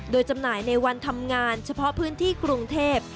โดยจำหน่ายในวันทำงานเฉพาะพื้นที่กรุงเทพ